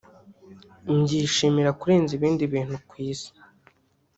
mbyishimira kurenza ibindi bintu ku isi